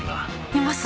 います。